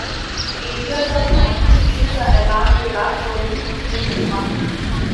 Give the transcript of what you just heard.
Asia cup بھارتی team کا اعلان ویرات کوہلی ٹیم سے باہر